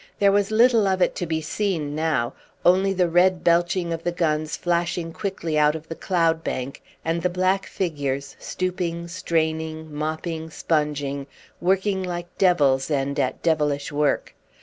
There was little of it to be seen now, only the red belching of the guns flashing quickly out of the cloudbank, and the black figures stooping, straining, mopping, sponging working like devils, and at devilish work.